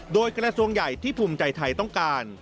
โดยกระทรวงใหญ่ที่ภูมิใจไทยต้องการ